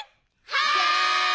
はい！